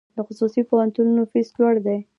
د خصوصي پوهنتونونو فیس لوړ دی؟